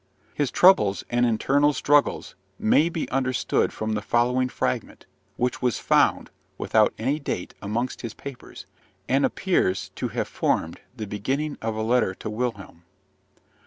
His troubles and internal struggles may be understood from the following fragment, which was found, without any date, amongst his papers, and appears to have formed the beginning of a letter to Wilhelm.